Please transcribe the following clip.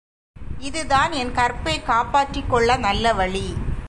இதுதான் என் கற்பைக் காப்பாற்றிக்கொள்ள நல்ல வழி!